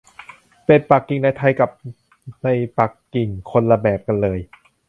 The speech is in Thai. เป็ดปักกิ่งในไทยกับในปักกิ่งคนละแบบกันเลย